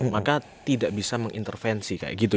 maka tidak bisa mengintervensi kayak gitu